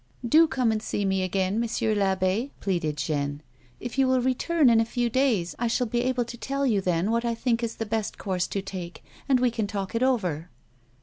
" Do come and see me again, Monsieur rabb6," pleaded Jeanne. " If you will return in a few days, I shall be able to tell you then what I think is the best course to take, and we can talk it over together."